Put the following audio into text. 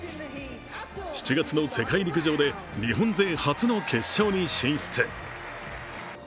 ７月の世界陸上で、日本勢初の決勝に進出。